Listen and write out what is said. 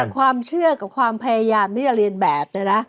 ความเชื่อกับความพยายามที่จะเรียนแบบเนี่ยนะ